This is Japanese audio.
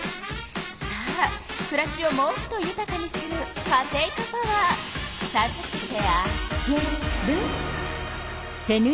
さあくらしをもっとゆたかにするカテイカパワーさずけてあげる。